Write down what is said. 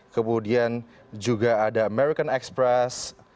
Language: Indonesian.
kemudian juga ada american express